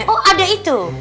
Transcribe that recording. oh ada itu